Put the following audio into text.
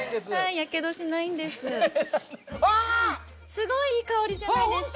すごいいい香りじゃないですか？